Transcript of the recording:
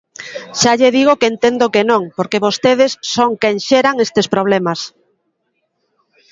Xa lle digo que entendo que non, porque vostedes son quen xeran estes problemas.